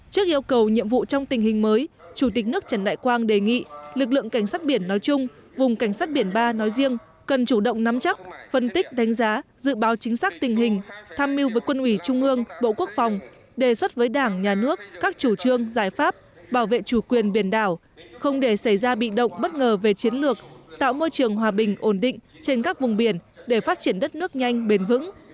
trước yêu cầu nhiệm vụ trong tình hình mới chủ tịch nước trần đại quang đề nghị lực lượng cảnh sát biển nói chung vùng cảnh sát biển ba nói riêng cần chủ động nắm chắc phân tích đánh giá dự báo chính xác tình hình tham mưu với quân ủy trung ương bộ quốc phòng đề xuất với đảng nhà nước các chủ trương giải pháp bảo vệ chủ quyền biển đảo không để xảy ra bị động bất ngờ về chiến lược tạo môi trường hòa bình ổn định trên các vùng biển để phát triển đất nước nhanh bền vững